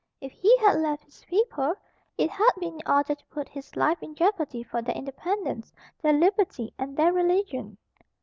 If he had left his people, it had been in order to put his life in jeopardy for their independence, their liberty, and their religion.